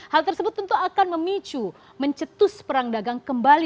hal tersebut tentu akan memicu mencetus perang dagang kembali